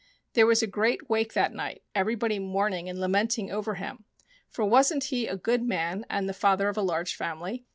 There was a great wake that night, everybody mourning and lamenting over him, for wasn't he a good man and the father of a large family